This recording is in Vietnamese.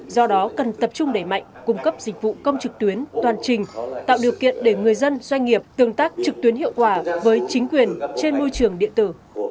do đó cần tập trung đẩy mạnh cung cấp dịch vụ công trực tuyến toàn trình tạo điều kiện để người dân doanh nghiệp tương tác trực tuyến hiệu quả với chính quyền trên môi trường điện tử